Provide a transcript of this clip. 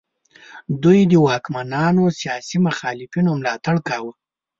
دوی د واکمنانو سیاسي مخالفینو ملاتړ کاوه.